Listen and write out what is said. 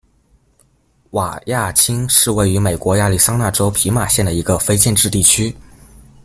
瓦亚钦是位于美国亚利桑那州皮马县的一个非建制地区。